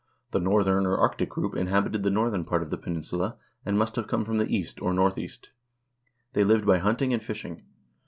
The northern or arctic group inhabited the northern part of the peninsula, and must have come from the east, or north east. They lived by hunting and fishing.